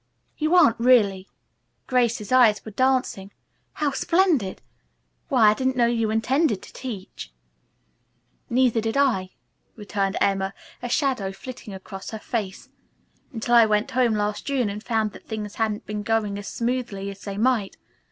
"You aren't really!" Grace's eyes were dancing. "How splendid! Why I didn't know you intended to teach." "Neither did I," returned Emma, a shadow flitting across her face, "until I went home last June and found that things hadn't been going as smoothly as they might.